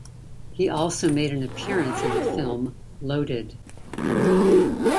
He also made an appearance in the film "Loaded".